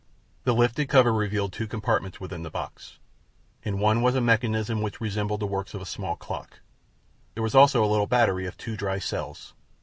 The lifted cover revealed two compartments within the box. In one was a mechanism which resembled the works of a small clock. There also was a little battery of two dry cells.